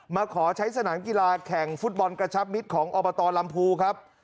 มาขอใช้สนามกีฬาแข่งฟุตบอลกระชับมิตรของอบตลำพูครับ